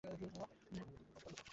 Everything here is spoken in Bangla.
আশা উচ্চৈঃস্বরে হাসিয়া উঠিল।